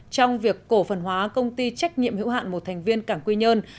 trong việc cổ phần hóa công ty trách nhiệm hữu hạn một thành viên cảng quy nhơn